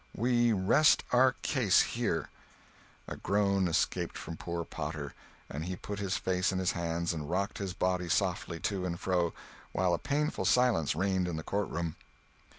We rest our case here." A groan escaped from poor Potter, and he put his face in his hands and rocked his body softly to and fro, while a painful silence reigned in the courtroom.